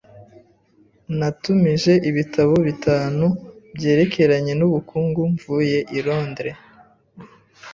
Natumije ibitabo bitanu byerekeranye n'ubukungu mvuye i Londres.